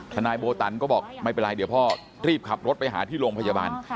นายโบตันก็บอกไม่เป็นไรเดี๋ยวพ่อรีบขับรถไปหาที่โรงพยาบาล